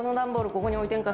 ここに置いてんか。